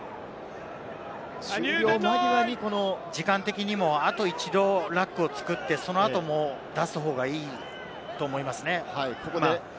時間的にもあと一度ラックを作って、その後も出す方がいいと思いますね。